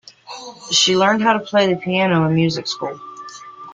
She learned how to play the piano in music school.